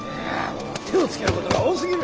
手をつけることが多すぎる。